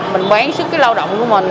mình bán sức cái lao động của mình